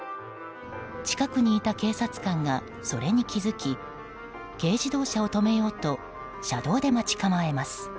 近くにいた警察官がそれに気づき軽自動車を止めようと車道で待ち構えます。